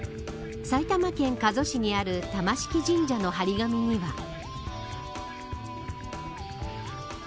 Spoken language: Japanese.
埼玉県加須市にある玉敷神社の張り紙には。